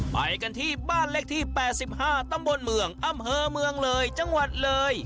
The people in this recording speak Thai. ไปกันที่บ้านเลขที่๘๕ตำบลเมืองอำเภอเมืองเลยจังหวัดเลย